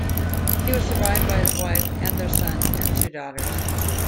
He was survived by his wife, and their son and two daughters.